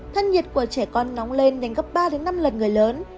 thân nhiệt của trẻ con nóng lên đến gấp ba năm lần người lớn